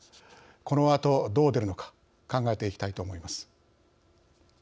このあと、どう出るのか考えていきたいと思います。